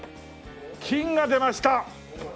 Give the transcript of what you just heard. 金が出ました！